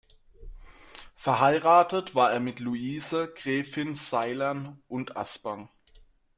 Verheiratet war er mit Luise Gräfin Seilern und Aspang.